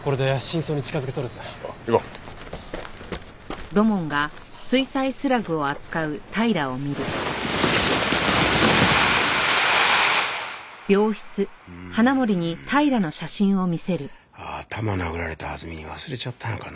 殴られた弾みに忘れちゃったのかな。